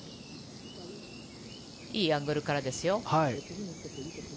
いいアングルからですよ。